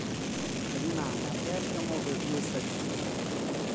Rimane a Bergamo per due stagioni.